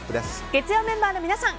月曜メンバーの皆さん